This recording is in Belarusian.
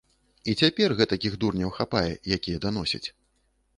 І цяпер гэтакіх дурняў хапае, якія даносяць.